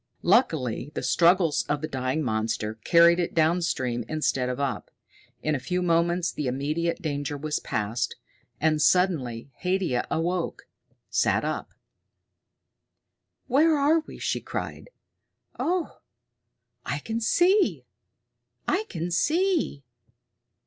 Luckily the struggles of the dying monster carried it downstream instead of up. In a few moments the immediate danger was past. And suddenly Haidia awoke, sat up. "Where are we?" she cried. "Oh, I can see! I can see!